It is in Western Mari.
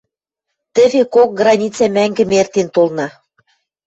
Тӹве кок границӓ мӓнгӹм эртен толна...